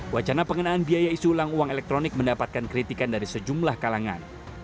wacana pengenaan biaya isi ulang uang elektronik mendapatkan kritikan dari sejumlah kalangan